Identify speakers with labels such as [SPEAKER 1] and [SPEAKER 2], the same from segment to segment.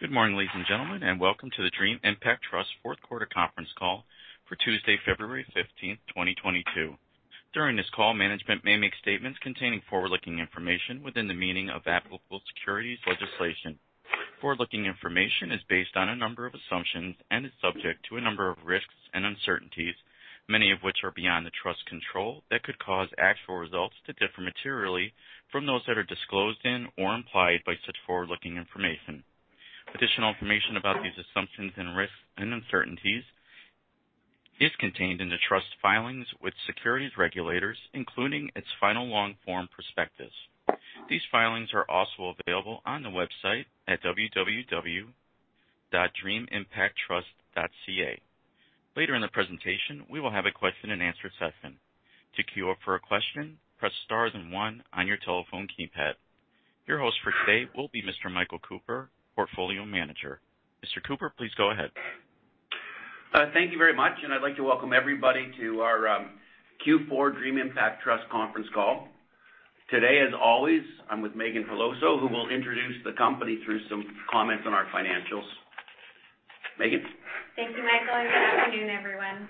[SPEAKER 1] Good morning, ladies and gentlemen, and welcome to the Dream Impact Trust fourth quarter conference call for Tuesday, February 15th, 2022. During this call, management may make statements containing forward-looking information within the meaning of applicable securities legislation. Forward-looking information is based on a number of assumptions and is subject to a number of risks and uncertainties, many of which are beyond the Trust's control that could cause actual results to differ materially from those that are disclosed in or implied by such forward-looking information. Additional information about these assumptions and risks and uncertainties is contained in the Trust's filings with securities regulators, including its final long-form prospectus. These filings are also available on the website at www.dreamimpacttrust.ca. Later in the presentation, we will have a question and answer session. To queue up for a question, press star then one on your telephone keypad. Your host for today will be Mr. Michael Cooper, Portfolio Manager. Mr. Cooper, please go ahead.
[SPEAKER 2] Thank you very much, and I'd like to welcome everybody to our Q4 Dream Impact Trust conference call. Today, as always, I'm with Meaghan Peloso, who will introduce the company through some comments on our financials. Meaghan.
[SPEAKER 3] Thank you, Michael, and good afternoon, everyone.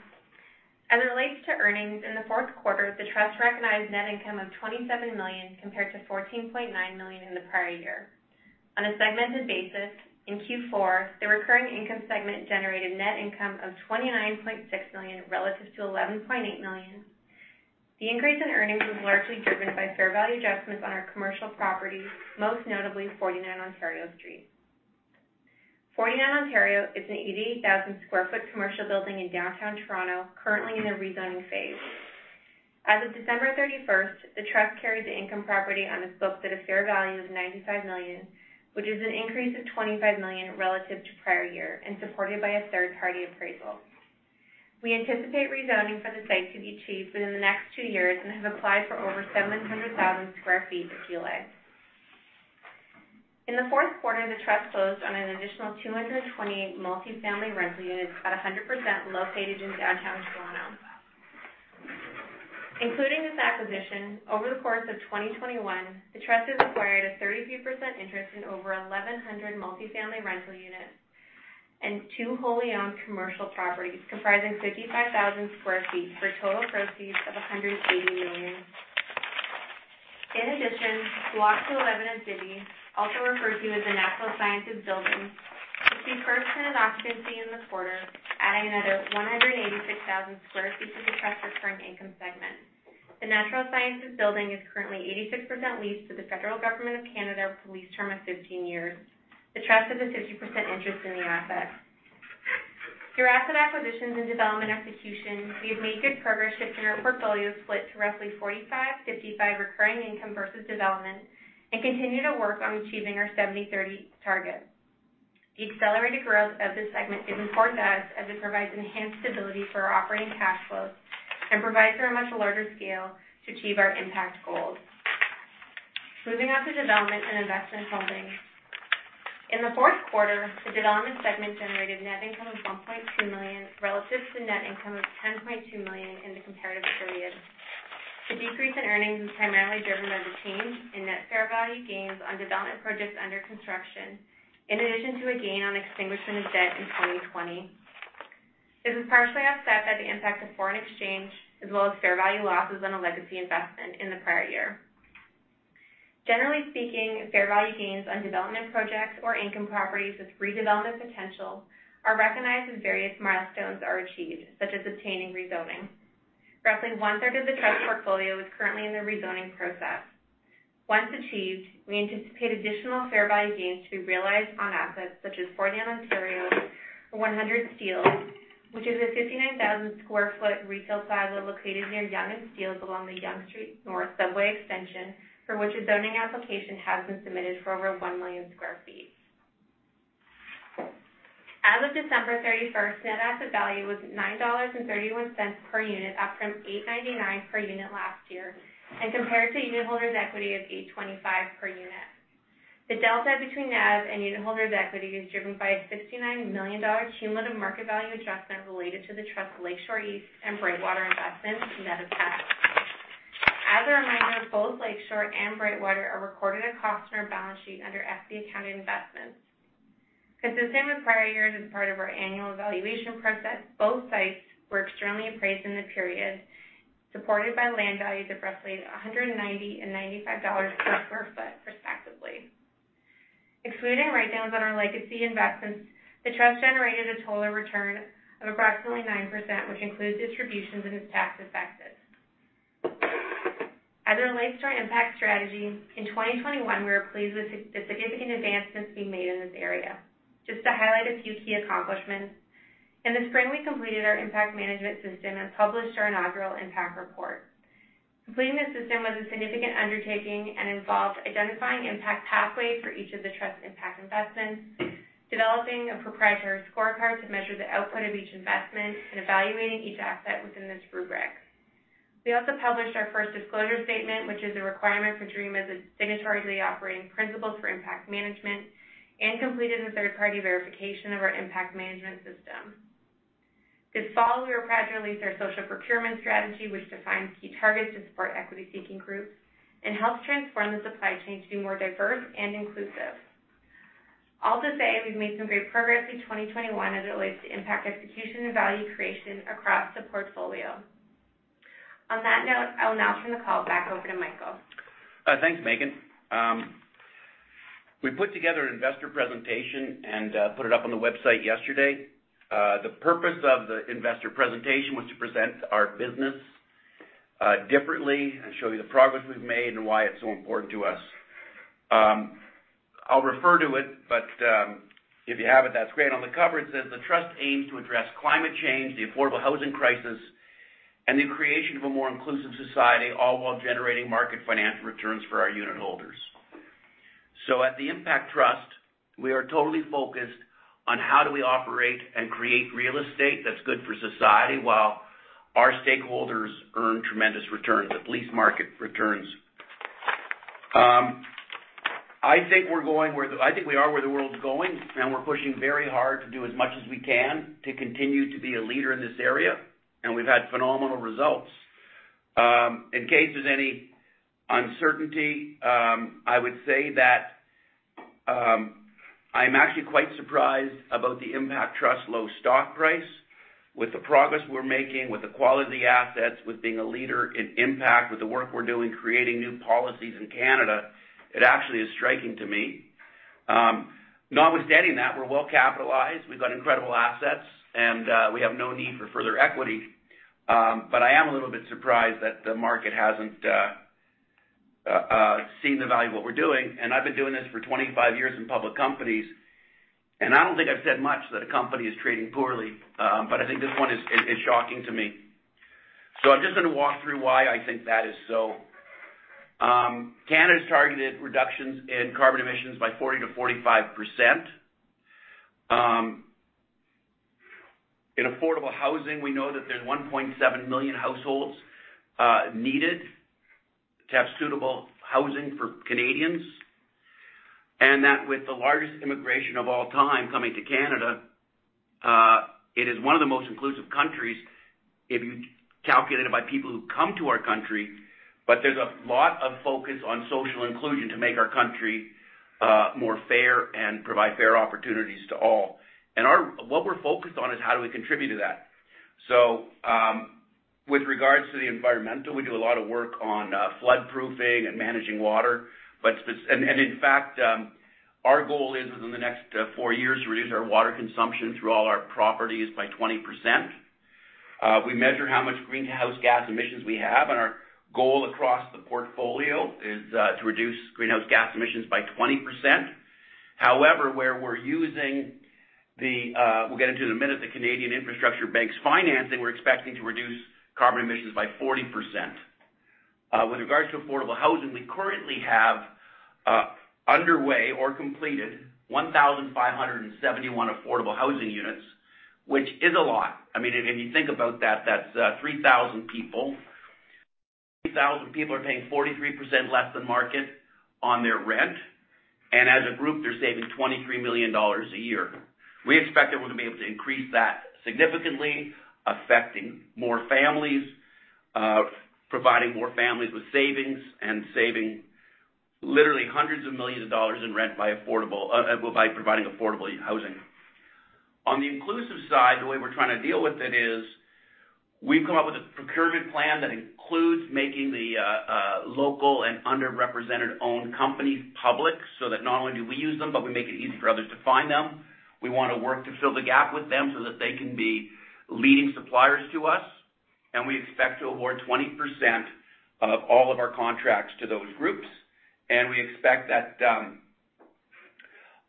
[SPEAKER 3] As it relates to earnings, in the fourth quarter, the trust recognized net income of 27 million compared to 14.9 million in the prior year. On a segmented basis, in Q4, the recurring income segment generated net income of 29.6 million relative to 11.8 million. The increase in earnings was largely driven by fair value adjustments on our commercial property, most notably 49 Ontario Street. 49 Ontario is an 88,000 sq ft commercial building in downtown Toronto, currently in a rezoning phase. As of December 31st, the trust carried the income property on its books at a fair value of 95 million, which is an increase of 25 million relative to prior year and supported by a third-party appraisal. We anticipate rezoning for the site to be achieved within the next two years and have applied for over 700,000 sq ft of GLA. In the fourth quarter, the trust closed on an additional 228 multi-family rental units at 100% located in downtown Toronto. Including this acquisition, over the course of 2021, the trust has acquired a 33% interest in over 1,100 multi-family rental units and two wholly owned commercial properties comprising 55,000 sq ft for total proceeds of 180 million. In addition, Block 211 of Zibi, also referred to as the Natural Sciences Building, was repurposed and achieved occupancy in the quarter, adding another 186,000 sq ft to the trust's recurring income segment. The Natural Sciences Building is currently 86% leased to the Federal Government of Canada for lease term of 15 years. The trust has a 50% interest in the asset. Through asset acquisitions and development execution, we have made good progress shifting our portfolio split to roughly 45/55 recurring income versus development and continue to work on achieving our 70/30 target. The accelerated growth of this segment is important to us as it provides enhanced stability for our operating cash flows and provides for a much larger scale to achieve our impact goals. Moving on to development and investment holdings. In the fourth quarter, the development segment generated net income of 1.2 million relative to net income of 10.2 million in the comparative period. The decrease in earnings was primarily driven by the change in net fair value gains on development projects under construction, in addition to a gain on extinguishment of debt in 2020. This was partially offset by the impact of foreign exchange as well as fair value losses on a legacy investment in the prior year. Generally speaking, fair value gains on development projects or income properties with redevelopment potential are recognized as various milestones are achieved, such as obtaining rezoning. Roughly 1/3 of the trust portfolio is currently in the rezoning process. Once achieved, we anticipate additional fair value gains to be realized on assets such as 49 Ontario or 100 Steeles, which is a 59,000 sq ft retail plaza located near Yonge and Steeles along the Yonge Street North Subway extension, for which a zoning application has been submitted for over 1 million sq ft. As of December 31st, net asset value was 9.31 dollars per unit up from 8.99 per unit last year. Compared to unitholders equity of 8.25 per unit. The delta between NAV and unitholders equity is driven by a 69 million dollar cumulative market value adjustment related to the trust Lakeshore East and Brightwater investments net of tax. As a reminder, both Lakeshore and Brightwater are recorded at cost on our balance sheet under equity account investments. Consistent with prior years as part of our annual evaluation process, both sites were externally appraised in the period, supported by land values of roughly 190 and 95 dollars per sq ft respectively. Excluding write downs on our legacy investments, the trust generated a total return of approximately 9%, which includes distributions and its tax effects. As it relates to our impact strategy, in 2021, we were pleased with the significant advancements we made in this area. Just to highlight a few key accomplishments, in the spring, we completed our impact management system and published our inaugural impact report. Completing the system was a significant undertaking and involved identifying impact pathways for each of the trust impact investments, developing a proprietary scorecard to measure the output of each investment and evaluating each asset within this rubric. We also published our first disclosure statement, which is a requirement for Dream as a signatory to the operating principles for impact management, and completed a third-party verification of our impact management system. This fall, we are proud to release our social procurement strategy, which defines key targets to support equity-seeking groups and helps transform the supply chain to be more diverse and inclusive. All to say we've made some great progress in 2021 as it relates to impact execution and value creation across the portfolio. On that note, I will now turn the call back over to Michael.
[SPEAKER 2] Thanks, Meaghan. We put together an investor presentation and put it up on the website yesterday. The purpose of the investor presentation was to present our business differently and show you the progress we've made and why it's so important to us. I'll refer to it, but if you have it, that's great. On the cover, it says, "The trust aims to address climate change, the affordable housing crisis, and the creation of a more inclusive society, all while generating market financial returns for our unit holders." At Dream Impact Trust, we are totally focused on how do we operate and create real estate that's good for society while our stakeholders earn tremendous returns, at least market returns. I think we're going where the- I think we are where the world's going, and we're pushing very hard to do as much as we can to continue to be a leader in this area, and we've had phenomenal results. In case there's any uncertainty, I would say that, I'm actually quite surprised about the Impact Trust low stock price. With the progress we're making, with the quality assets, with being a leader in impact, with the work we're doing, creating new policies in Canada, it actually is striking to me. Notwithstanding that, we're well capitalized, we've got incredible assets, and we have no need for further equity. I am a little bit surprised that the market hasn't seen the value of what we're doing. I've been doing this for 25 years in public companies, and I don't think I've said much that a company is trading poorly, but I think this one is shocking to me. I'm just gonna walk through why I think that is so. Canada's targeted reductions in carbon emissions by 40%-45%. In affordable housing, we know that there's 1.7 million households needed to have suitable housing for Canadians. That with the largest immigration of all time coming to Canada, it is one of the most inclusive countries if you calculate it by people who come to our country. There's a lot of focus on social inclusion to make our country more fair and provide fair opportunities to all. What we're focused on is how do we contribute to that. With regard to the environmental, we do a lot of work on flood proofing and managing water. In fact, our goal is within the next four years to reduce our water consumption through all our properties by 20%. We measure how much greenhouse gas emissions we have, and our goal across the portfolio is to reduce greenhouse gas emissions by 20%. However, where we're using the Canada Infrastructure Bank's financing we'll get into in a minute, we're expecting to reduce carbon emissions by 40%. With regard to affordable housing, we currently have underway or completed 1,571 affordable housing units, which is a lot. I mean, if you think about that's 3,000 people. 3,000 people are paying 43% less than market on their rent. As a group, they're saving 23 million dollars a year. We expect that we're gonna be able to increase that significantly, affecting more families, providing more families with savings and saving literally CAD hundreds of millions in rent by providing affordable housing. On the inclusive side, the way we're trying to deal with it is we've come up with a procurement plan that includes making the local and underrepresented owned companies public, so that not only do we use them, but we make it easy for others to find them. We wanna work to fill the gap with them so that they can be leading suppliers to us. We expect to award 20% of all of our contracts to those groups. We expect that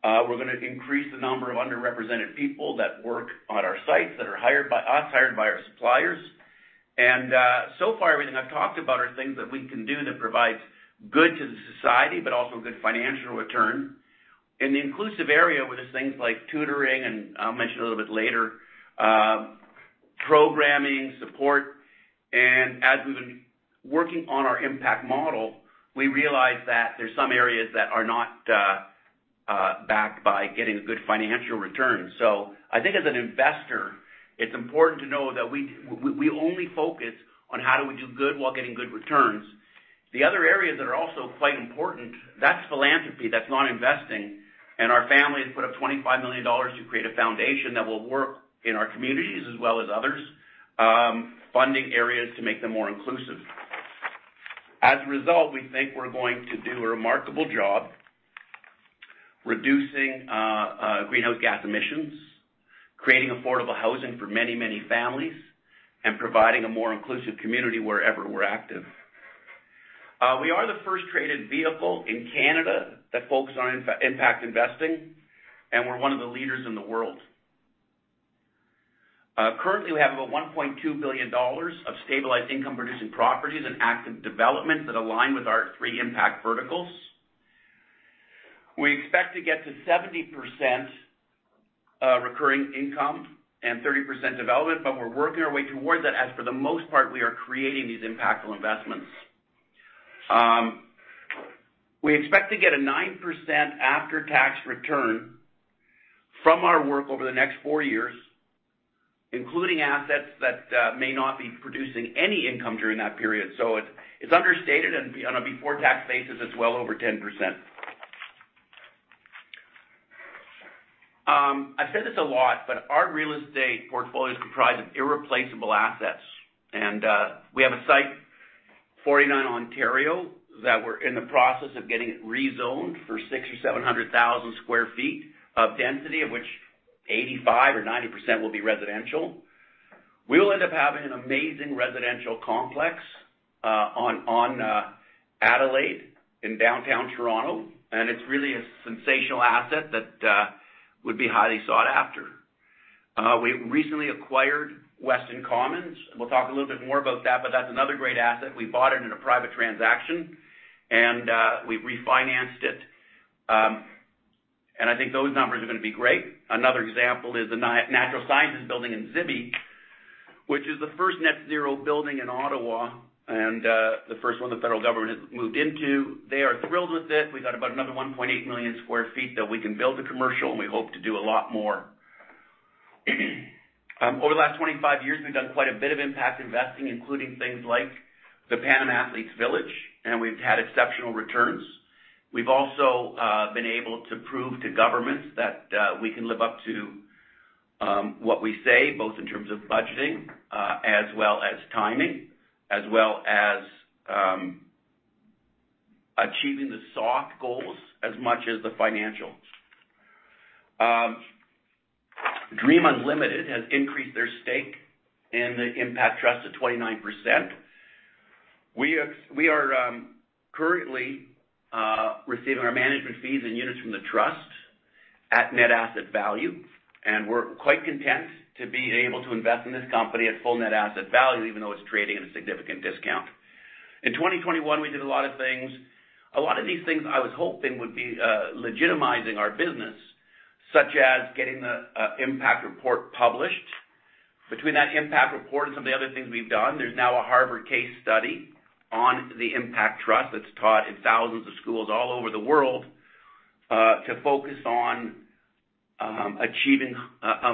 [SPEAKER 2] we're gonna increase the number of underrepresented people that work on our sites, that are hired by us, hired by our suppliers. So far, everything I've talked about are things that we can do that provides good to the society, but also a good financial return. In the inclusive area with these things like tutoring, and I'll mention a little bit later, programming support, and as we've been working on our impact model, we realized that there's some areas that are not backed by getting a good financial return. I think as an investor, it's important to know that we only focus on how do we do good while getting good returns. The other areas that are also quite important, that's philanthropy. That's not investing. Our family has put up 25 million dollars to create a foundation that will work in our communities as well as others, funding areas to make them more inclusive. As a result, we think we're going to do a remarkable job reducing greenhouse gas emissions, creating affordable housing for many, many families, and providing a more inclusive community wherever we're active. We are the first traded vehicle in Canada that focus on impact investing, and we're one of the leaders in the world. Currently, we have over 1.2 billion dollars of stabilized income-producing properties and active developments that align with our three impact verticals. We expect to get to 70% recurring income and 30% development, but we're working our way towards that as for the most part, we are creating these impactful investments. We expect to get a 9% after-tax return from our work over the next four years, including assets that may not be producing any income during that period. It's understated and on a before-tax basis, it's well over 10%. I've said this a lot, but our real estate portfolio is comprised of irreplaceable assets. We have a site, 49 Ontario, that we're in the process of getting it rezoned for 600,000 sq ft or 700,000 sq ft of density, of which 85% or 90% will be residential. We will end up having an amazing residential complex on Adelaide in downtown Toronto, and it's really a sensational asset that would be highly sought after. We recently acquired Weston Commons, and we'll talk a little bit more about that, but that's another great asset. We bought it in a private transaction, and we've refinanced it. I think those numbers are gonna be great. Another example is the Natural Sciences Building in Zibi, which is the first net zero building in Ottawa and the first one the federal government has moved into. They are thrilled with it. We've got about another 1.8 million sq ft that we can build to commercial, and we hope to do a lot more. Over the last 25 years, we've done quite a bit of impact investing, including things like the Pan Am Athletes' Village, and we've had exceptional returns. We've also been able to prove to governments that we can live up to what we say, both in terms of budgeting, as well as timing, as well as achieving the soft goals as much as the financials. Dream Unlimited has increased their stake in the Impact Trust to 29%. We are currently receiving our management fees and units from the trust at net asset value, and we're quite content to be able to invest in this company at full net asset value, even though it's trading at a significant discount. In 2021, we did a lot of things. A lot of these things I was hoping would be legitimizing our business, such as getting the impact report published. Between that impact report and some of the other things we've done, there's now a Harvard case study on the Impact Trust that's taught in thousands of schools all over the world to focus on achieving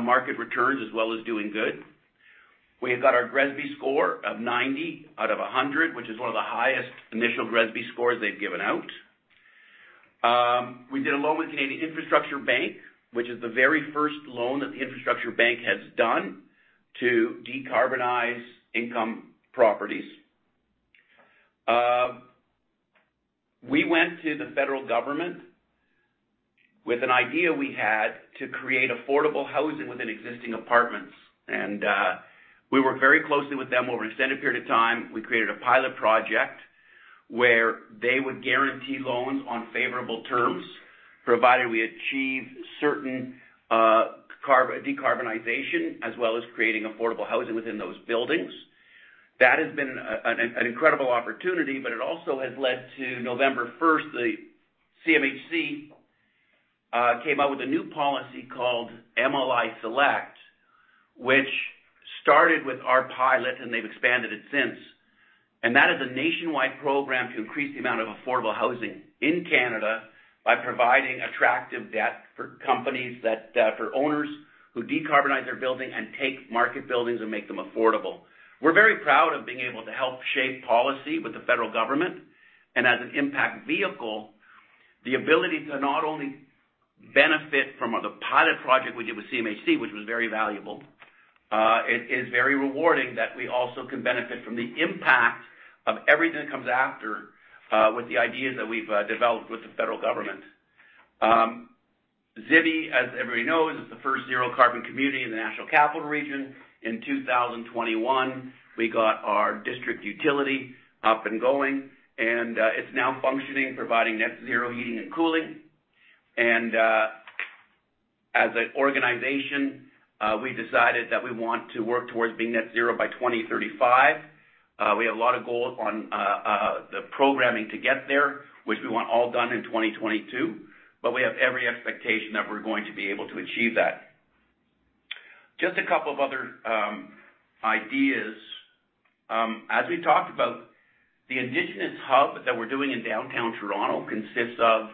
[SPEAKER 2] market returns as well as doing good. We have got our GRESB score of 90 out of 100, which is one of the highest initial GRESB scores they've given out. We did a loan with Canada Infrastructure Bank, which is the very first loan that the Infrastructure Bank has done to decarbonize income properties. We went to the federal government with an idea we had to create affordable housing within existing apartments. We worked very closely with them over an extended period of time. We created a pilot project where they would guarantee loans on favorable terms, provided we achieve certain decarbonization as well as creating affordable housing within those buildings. That has been an incredible opportunity, but it also has led to November 1st, the CMHC came out with a new policy called MLI Select, which started with our pilot, and they've expanded it since. That is a nationwide program to increase the amount of affordable housing in Canada by providing attractive debt for companies that for owners who decarbonize their building and take market buildings and make them affordable. We're very proud of being able to help shape policy with the federal government. As an impact vehicle, the ability to not only benefit from the pilot project we did with CMHC, which was very valuable, it is very rewarding that we also can benefit from the impact of everything that comes after with the ideas that we've developed with the federal government. Zibi, as everybody knows, is the first zero carbon community in the National Capital Region. In 2021, we got our district utility up and going, and it's now functioning, providing net zero heating and cooling. As an organization, we decided that we want to work towards being net zero by 2035. We have a lot of goals on the programming to get there, which we want all done in 2022, but we have every expectation that we're going to be able to achieve that. Just a couple of other ideas. As we talked about, the Indigenous hub that we're doing in downtown Toronto consists of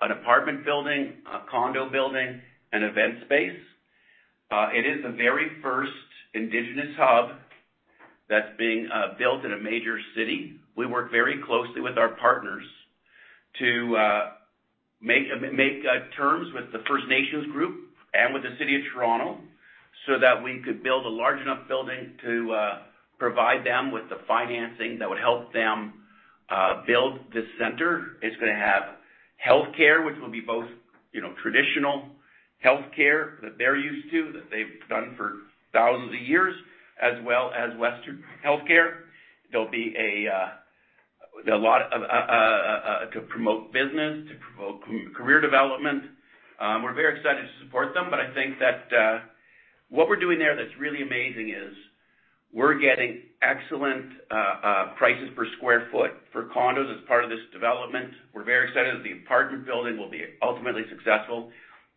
[SPEAKER 2] an apartment building, a condo building, an event space. It is the very first Indigenous hub that's being built in a major city. We work very closely with our partners to make terms with the First Nations group and with the City of Toronto so that we could build a large enough building to provide them with the financing that would help them build this center. It's gonna have healthcare, which will be both, you know, traditional healthcare that they're used to, that they've done for thousands of years, as well as Western healthcare. There'll be a lot of to promote business, to promote career development. We're very excited to support them, but I think that what we're doing there that's really amazing is we're getting excellent prices per square foot for condos as part of this development. We're very excited that the apartment building will be ultimately successful.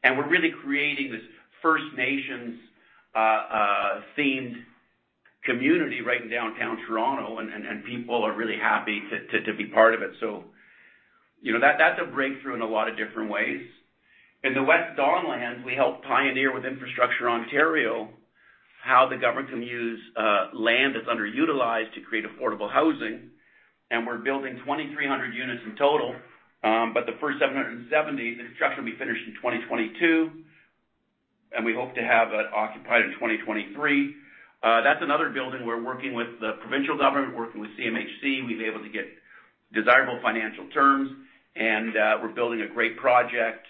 [SPEAKER 2] We're really creating this First Nations themed community right in downtown Toronto, and people are really happy to be part of it. You know, that's a breakthrough in a lot of different ways. In the West Don Lands, we helped pioneer with Infrastructure Ontario how the government can use land that's underutilized to create affordable housing. We're building 2,300 units in total. The first 770, the construction will be finished in 2022, and we hope to have that occupied in 2023. That's another building we're working with the provincial government, working with CMHC. We've been able to get desirable financial terms, and we're building a great project.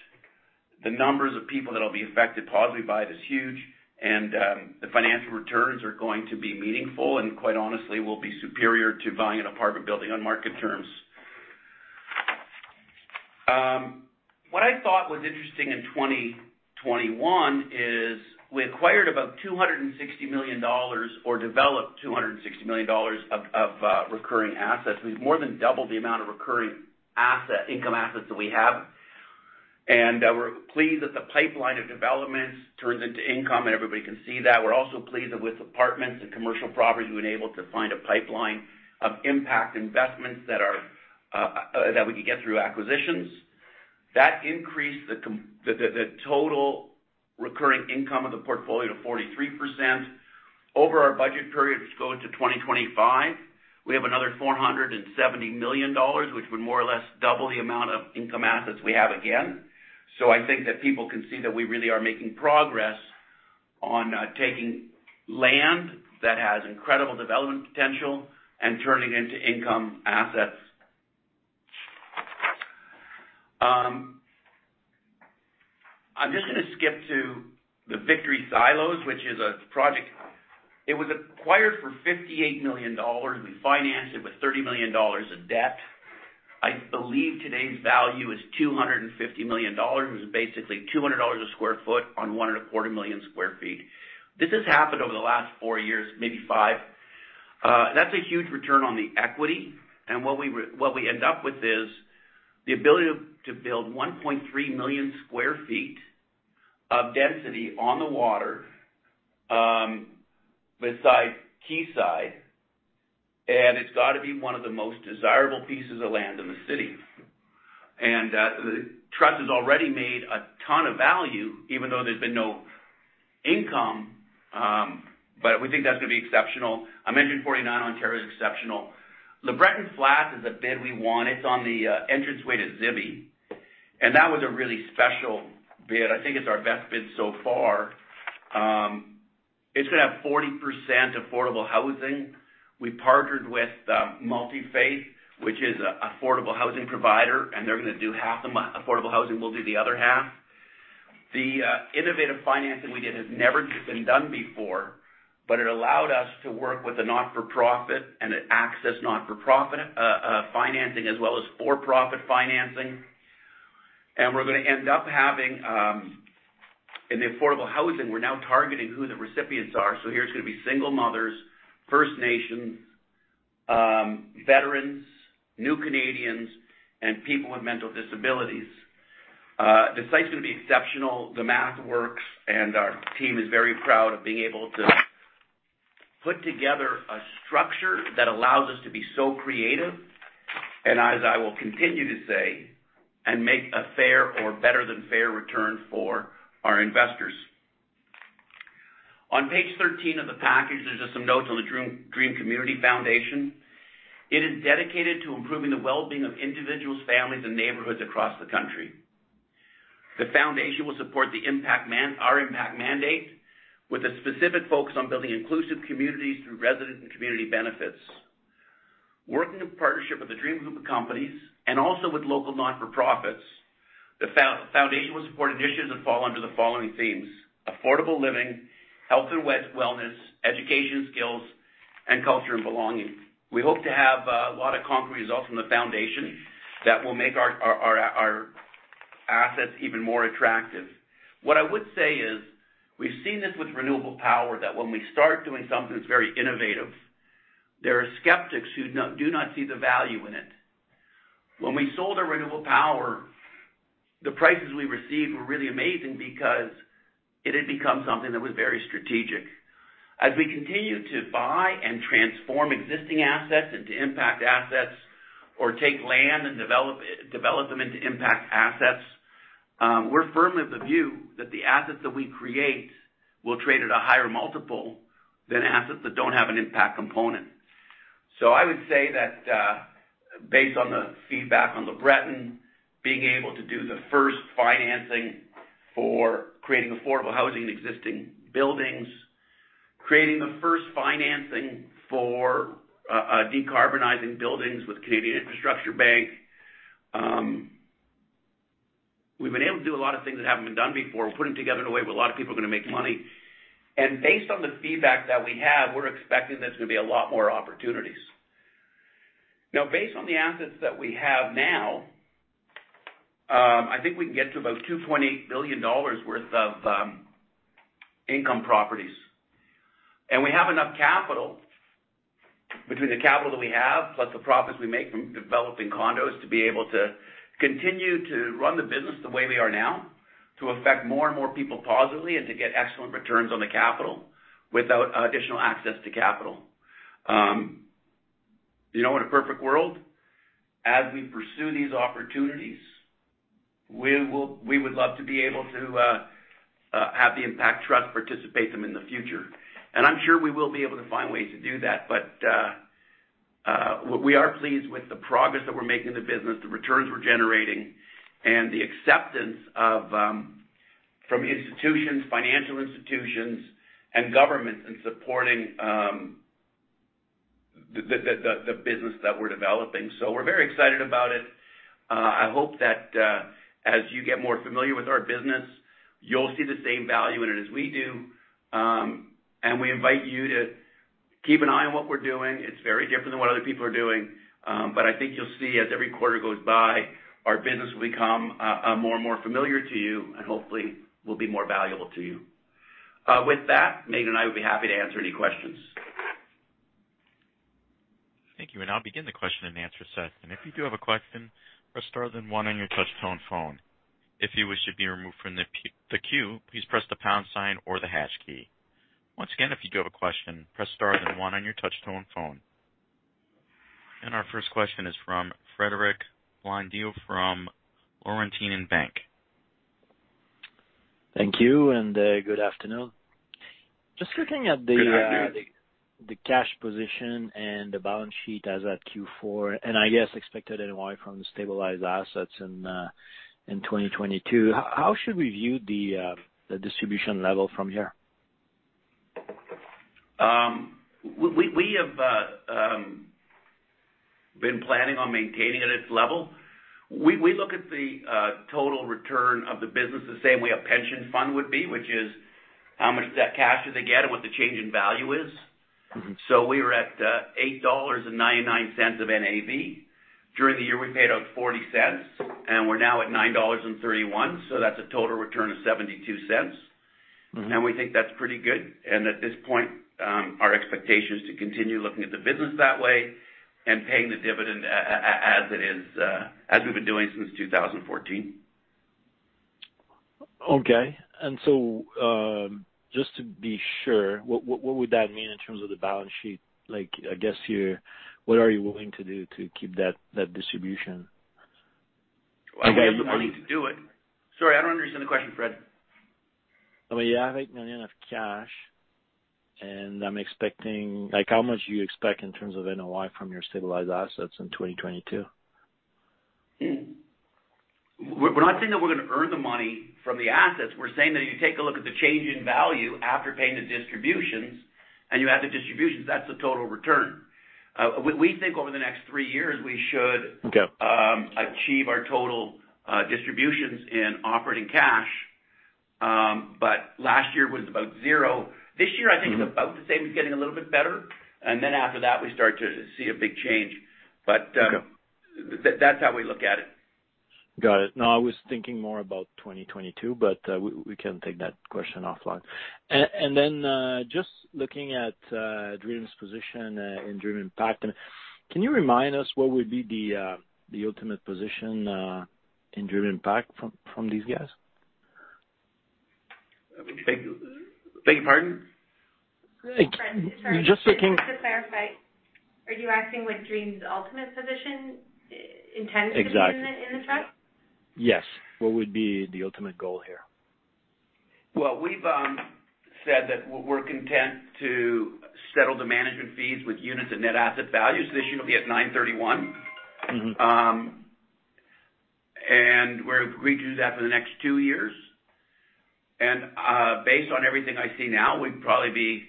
[SPEAKER 2] The numbers of people that'll be affected positively by it is huge. The financial returns are going to be meaningful, and quite honestly, will be superior to buying an apartment building on market terms. What I thought was interesting in 2021 is we acquired about 260 million dollars or developed 260 million dollars of recurring assets. We've more than doubled the amount of recurring asset income assets that we have. We're pleased that the pipeline of developments turns into income, and everybody can see that. We're also pleased that with apartments and commercial properties, we've been able to find a pipeline of impact investments that we can get through acquisitions. That increased the total recurring income of the portfolio to 43%. Over our budget period, which goes to 2025, we have another 470 million dollars, which would more or less double the amount of income assets we have again. I think that people can see that we really are making progress on taking land that has incredible development potential and turning into income assets. I'm just gonna skip to the Victory Silos, which is a project. It was acquired for 58 million dollars. We financed it with 30 million dollars of debt. I believe today's value is 250 million dollars. It was basically 200 dollars a sq ft on 1.25 million sq ft. This has happened over the last four years, maybe five. That's a huge return on the equity. What we end up with is the ability to build 1.3 million sq ft of density on the water, beside Quayside. It's gotta be one of the most desirable pieces of land in the city. The trust has already made a ton of value, even though there's been no income. We think that's gonna be exceptional. I mentioned 49 Ontario is exceptional. LeBreton Flats is a bid we won. It's on the entranceway to Zibi, and that was a really special bid. I think it's our best bid so far. It's gonna have 40% affordable housing. We partnered with Multifaith, which is an affordable housing provider, and they're gonna do half the affordable housing. We'll do the other half. The innovative financing we did has never been done before, but it allowed us to work with a not-for-profit and access non-profit financing as well as for-profit financing. We're gonna end up having in the affordable housing, we're now targeting who the recipients are. Here it's gonna be single mothers, First Nations, veterans, new Canadians, and people with mental disabilities. The site's gonna be exceptional. The math works, and our team is very proud of being able to put together a structure that allows us to be so creative, and as I will continue to say, and make a fair or better than fair return for our investors. On page 13 of the package, there's just some notes on the Dream Community Foundation. It is dedicated to improving the well-being of individuals, families, and neighborhoods across the country. The foundation will support our impact mandate with a specific focus on building inclusive communities through resident and community benefits. Working in partnership with the Dream group of companies and also with local not-for-profits, the foundation will support initiatives that fall under the following themes, affordable living, health and wellness, education skills, and culture and belonging. We hope to have a lot of concrete results from the foundation that will make our assets even more attractive. What I would say is, we've seen this with renewable power, that when we start doing something that's very innovative, there are skeptics who do not see the value in it. When we sold our renewable power, the prices we received were really amazing because it had become something that was very strategic. As we continue to buy and transform existing assets into impact assets or take land and develop them into impact assets, we're firm of the view that the assets that we create will trade at a higher multiple than assets that don't have an impact component. I would say that, based on the feedback on LeBreton, being able to do the first financing for creating affordable housing in existing buildings, creating the first financing for, decarbonizing buildings with Canada Infrastructure Bank, we've been able to do a lot of things that haven't been done before. We're putting them together in a way where a lot of people are gonna make money. Based on the feedback that we have, we're expecting there's gonna be a lot more opportunities. Now, based on the assets that we have now, I think we can get to about 2.8 billion dollars worth of income properties. We have enough capital. Between the capital that we have, plus the profits we make from developing condos, to be able to continue to run the business the way we are now, to affect more and more people positively and to get excellent returns on the capital without additional access to capital. You know, in a perfect world, as we pursue these opportunities, we would love to be able to have the Impact Trust participate in them in the future. I'm sure we will be able to find ways to do that. We are pleased with the progress that we're making in the business, the returns we're generating, and the acceptance from institutions, financial institutions and governments in supporting the business that we're developing. We're very excited about it. I hope that as you get more familiar with our business, you'll see the same value in it as we do. We invite you to keep an eye on what we're doing. It's very different than what other people are doing. I think you'll see as every quarter goes by, our business will become more and more familiar to you and hopefully will be more valuable to you. With that, Meaghan and I will be happy to answer any questions.
[SPEAKER 1] Thank you. I'll begin the question and answer session. If you do have a question, press star then one on your touchtone phone. If you wish to be removed from the queue, please press the pound sign or the hash key. Once again, if you do have a question, press star then one on your touchtone phone. Our first question is from Frederic Blondeau from Laurentian Bank.
[SPEAKER 4] Thank you and, good afternoon.
[SPEAKER 2] Good afternoon.
[SPEAKER 4] The cash position and the balance sheet as at Q4, and I guess expected NOI from the stabilized assets in 2022, how should we view the distribution level from here?
[SPEAKER 2] We have been planning on maintaining it at its level. We look at the total return of the business the same way a pension fund would be, which is how much of that cash did they get and what the change in value is. We were at 8.99 dollars of NAV. During the year, we paid out 0.40, and we're now at 9.31 dollars. That's a total return of 0.72. We think that's pretty good. At this point, our expectation is to continue looking at the business that way and paying the dividend as it is, as we've been doing since 2014.
[SPEAKER 4] Okay. Just to be sure, what would that mean in terms of the balance sheet? Like, I guess what are you willing to do to keep that distribution?
[SPEAKER 2] Well, I have the money to do it. Sorry, I don't understand the question, Fred.
[SPEAKER 4] I mean, you have 8 million in cash, and I'm expecting like, how much do you expect in terms of NOI from your stabilized assets in 2022?
[SPEAKER 2] We're not saying that we're gonna earn the money from the assets. We're saying that you take a look at the change in value after paying the distributions and you add the distributions, that's the total return. We think over the next three years, we should-
[SPEAKER 4] Okay.
[SPEAKER 2] Achieve our total distributions in operating cash. Last year was about zero. This year, I think it's about the same. It's getting a little bit better. After that, we start to see a big change.
[SPEAKER 4] Okay.
[SPEAKER 2] That's how we look at it.
[SPEAKER 4] Got it. No, I was thinking more about 2022, but we can take that question offline. Just looking at Dream's position in Dream Impact, can you remind us what would be the ultimate position in Dream Impact from these guys?
[SPEAKER 2] I beg your pardon?
[SPEAKER 4] Just looking-
[SPEAKER 3] Sorry. Just to clarify, are you asking what Dream's ultimate position, intention is?
[SPEAKER 4] Exactly.
[SPEAKER 3] In the trust?
[SPEAKER 4] Yes. What would be the ultimate goal here?
[SPEAKER 2] Well, we've said that we're content to settle the management fees with units and net asset values. This year, it'll be at 9.31. We're agreed to do that for the next two years. Based on everything I see now, we'd probably be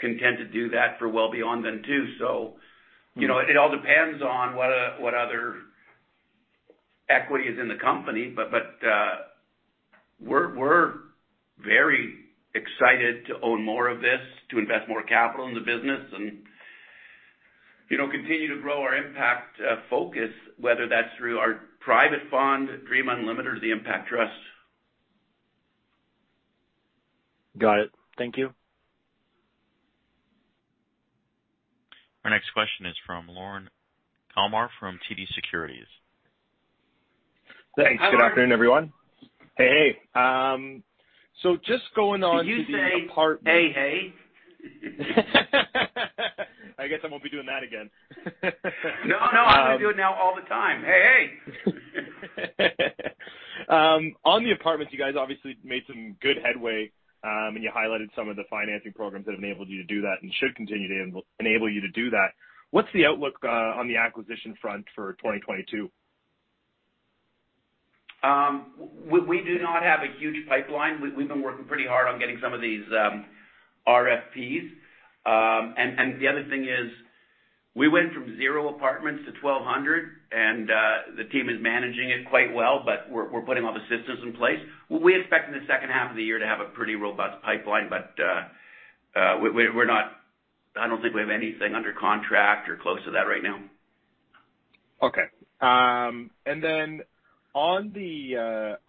[SPEAKER 2] content to do that for well beyond then, too. You know, it all depends on what what other equity is in the company. But we're very excited to own more of this, to invest more capital in the business and, you know, continue to grow our impact focus, whether that's through our private bond, Dream Unlimited or the Impact Trust.
[SPEAKER 4] Got it. Thank you.
[SPEAKER 1] Our next question is from Lorne Kalmar from TD Securities.
[SPEAKER 2] Hi, Lorne.
[SPEAKER 5] Thanks. Good afternoon, everyone. Hey, hey. Just going on to the apartment.
[SPEAKER 2] Did you say, "Hey, hey"?
[SPEAKER 5] I guess I won't be doing that again.
[SPEAKER 2] No, no, I'm gonna do it now all the time. Hey, hey.
[SPEAKER 5] On the apartments, you guys obviously made some good headway, and you highlighted some of the financing programs that enabled you to do that and should continue to enable you to do that. What's the outlook on the acquisition front for 2022?
[SPEAKER 2] We do not have a huge pipeline. We've been working pretty hard on getting some of these RFPs. The other thing is we went from zero apartments to 1,200 and the team is managing it quite well, but we're putting all the systems in place. We expect in the second half of the year to have a pretty robust pipeline. We're not. I don't think we have anything under contract or close to that right now.
[SPEAKER 5] Okay. On the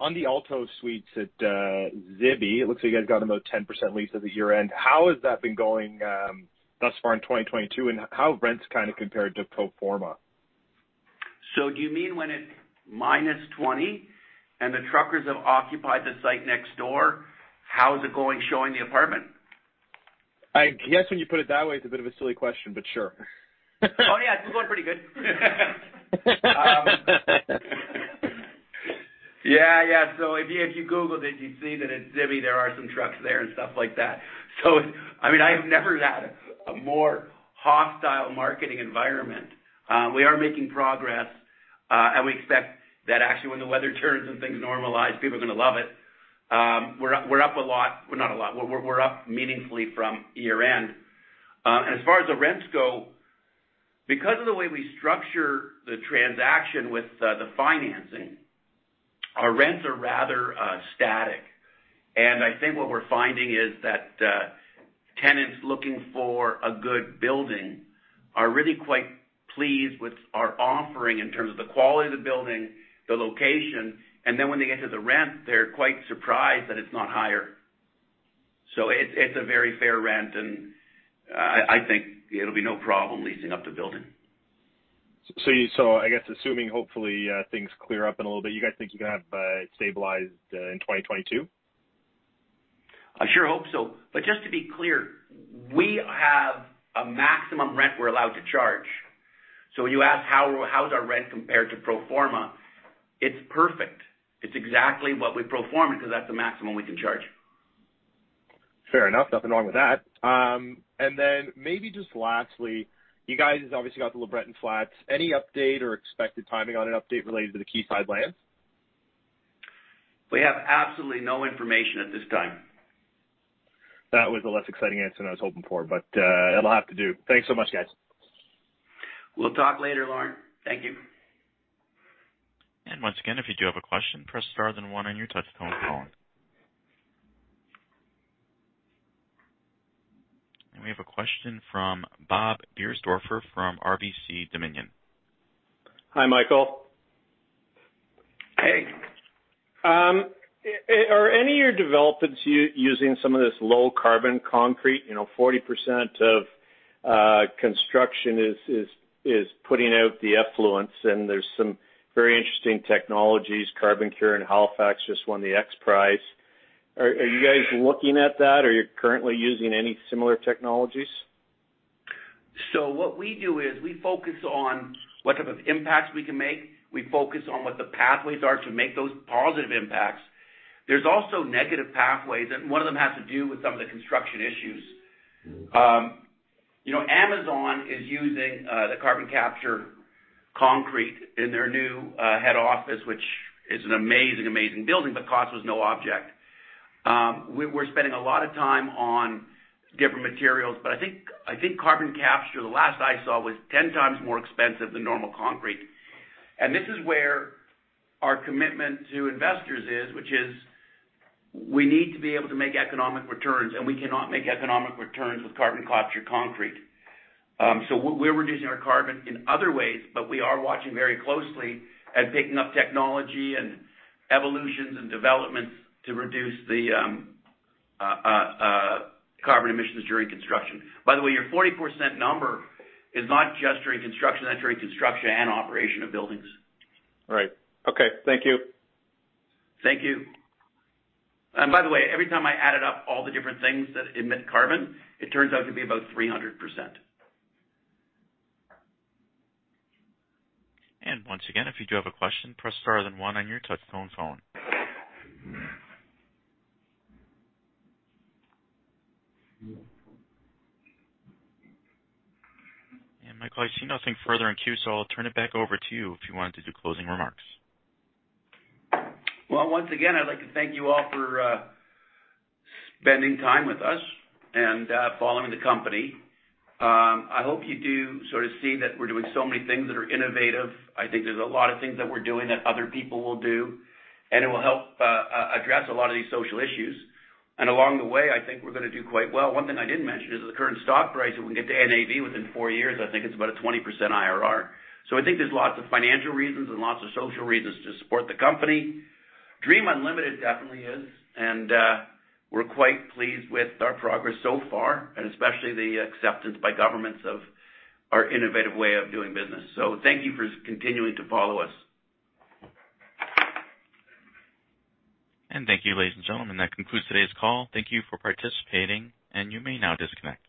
[SPEAKER 5] Aalto Suites at Zibi, it looks like you guys got about 10% leased at the year-end. How has that been going thus far in 2022, and how have rents kind of compared to pro forma?
[SPEAKER 2] Do you mean when it's -20 and the truckers have occupied the site next door? How is it going showing the apartment?
[SPEAKER 5] I guess when you put it that way, it's a bit of a silly question, but sure.
[SPEAKER 2] Oh, it's going pretty good. If you Google it, you'd see that at Zibi there are some trucks there and stuff like that. I mean, I have never had a more hostile marketing environment. We are making progress, and we expect that actually when the weather turns and things normalize, people are gonna love it. We're up a lot. Well, not a lot. We're up meaningfully from year-end. As far as the rents go, because of the way we structure the transaction with the financing, our rents are rather static. I think what we're finding is that tenants looking for a good building are really quite pleased with our offering in terms of the quality of the building, the location, and then when they get to the rent, they're quite surprised that it's not higher. It's a very fair rent, and I think it'll be no problem leasing up the building.
[SPEAKER 5] I guess assuming hopefully, things clear up in a little bit, you guys think you're gonna have it stabilized in 2022?
[SPEAKER 2] I sure hope so. Just to be clear, we have a maximum rent we're allowed to charge. When you ask how is our rent compared to pro forma, it's perfect. It's exactly what we pro forma because that's the maximum we can charge.
[SPEAKER 5] Fair enough. Nothing wrong with that. Maybe just lastly, you guys obviously got the LeBreton Flats. Any update or expected timing on an update related to the Quayside land?
[SPEAKER 2] We have absolutely no information at this time.
[SPEAKER 5] That was a less exciting answer than I was hoping for, but it'll have to do. Thanks so much, guys.
[SPEAKER 2] We'll talk later, Lorne. Thank you.
[SPEAKER 1] Once again, if you do have a question, press star then one on your touchtone phone. We have a question from Bob Beiersdorfer from RBC Dominion.
[SPEAKER 6] Hi, Michael.
[SPEAKER 2] Hey.
[SPEAKER 6] Are any of your developments using some of this low carbon concrete? You know, 40% of construction is putting out the emissions, and there's some very interesting technologies. CarbonCure in Halifax just won the XPRIZE. Are you guys looking at that? Are you currently using any similar technologies?
[SPEAKER 2] What we do is we focus on what type of impacts we can make. We focus on what the pathways are to make those positive impacts. There's also negative pathways, and one of them has to do with some of the construction issues. You know, Amazon is using the carbon capture concrete in their new head office, which is an amazing building, but cost was no object. We're spending a lot of time on different materials, but I think carbon capture, the last I saw, was ten times more expensive than normal concrete. This is where our commitment to investors is, which is we need to be able to make economic returns, and we cannot make economic returns with carbon capture concrete. We're reducing our carbon in other ways, but we are watching very closely and picking up technology and evolutions and developments to reduce the carbon emissions during construction. By the way, your 40% number is not just during construction. That's during construction and operation of buildings.
[SPEAKER 6] Right. Okay. Thank you.
[SPEAKER 2] Thank you. By the way, every time I added up all the different things that emit carbon, it turns out to be about 300%.
[SPEAKER 1] Once again, if you do have a question, press star then one on your touchtone phone. Michael, I see nothing further in queue, so I'll turn it back over to you if you want to do closing remarks.
[SPEAKER 2] Well, once again, I'd like to thank you all for spending time with us and following the company. I hope you do sort of see that we're doing so many things that are innovative. I think there's a lot of things that we're doing that other people will do, and it will help address a lot of these social issues. Along the way, I think we're gonna do quite well. One thing I didn't mention is the current stock price, if we can get to NAV within four years, I think it's about a 20% IRR. I think there's lots of financial reasons and lots of social reasons to support the company. Dream Unlimited definitely is, and we're quite pleased with our progress so far, and especially the acceptance by governments of our innovative way of doing business. Thank you for continuing to follow us.
[SPEAKER 1] Thank you, ladies and gentlemen. That concludes today's call. Thank you for participating, and you may now disconnect.